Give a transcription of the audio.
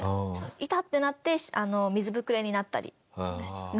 「痛っ！」ってなって水ぶくれになったり。